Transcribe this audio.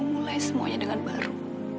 mulai semuanya dengan baru